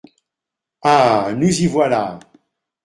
Ah ! nous y voilà !